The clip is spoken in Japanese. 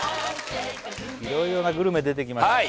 いろいろなグルメ出てきました